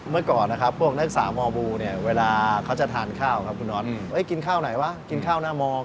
เมื่อก่อนนะครับพวกนักศึกษามบูเนี่ยเวลาเขาจะทานข้าวครับคุณนอทกินข้าวไหนวะกินข้าวหน้ามอง